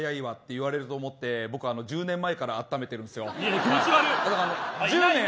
言われると思って僕１０年前から温めてるんです。